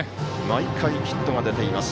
毎回ヒットが出ています。